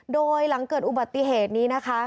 โดยหลังเกิดอุบัติเหตุนี้นะคะ